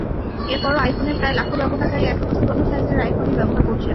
এরপরও আইফোনের প্রায় লাখো ব্যবহারকারী এখনো পুরোনো সাইজের আইফোনই ব্যবহার করছেন।